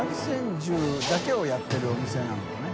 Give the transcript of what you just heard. ち鼎世韻やってるお店なのかね？